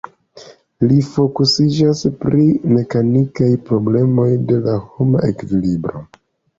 Li fokusiĝas pri mekanikaj problemoj de la homa ekvilibro.